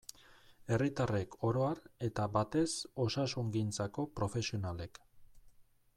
Herritarrek oro har, eta batez osasungintzako profesionalek.